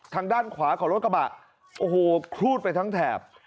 ทางด้านขวาของรถกระบะโอ้โหครูดไปทั้งแถบ